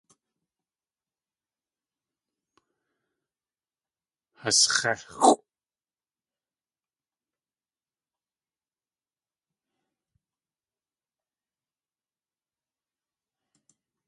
Has x̲éxʼw.